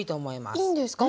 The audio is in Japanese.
あっいいんですか？